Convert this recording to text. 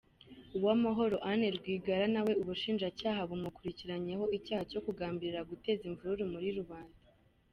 Uwamahoro Anne Rwigara na we ubushinjacyaha bumukurikiranyeho icyaha cyo kugambirira guteza imvururu muri rubanda.